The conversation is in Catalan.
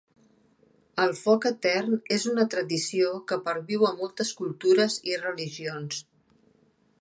El foc etern és una tradició que perviu a moltes cultures i religions.